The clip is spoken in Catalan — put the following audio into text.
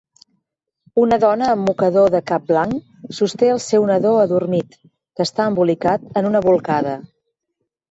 Una dona amb mocador de cap blanc sosté el seu nadó adormit, que està embolicat en una bolcada.